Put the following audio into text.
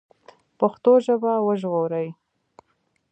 پښتو ژبه وژغورئ